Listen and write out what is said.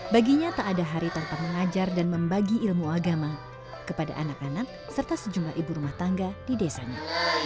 baginya tak ada hari tanpa mengajar dan membagi ilmu agama kepada anak anak serta sejumlah ibu rumah tangga di desanya